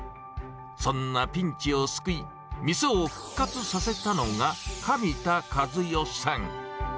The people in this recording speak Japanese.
そんなピンチを救い、店を復活させたのが、紙田和代さん。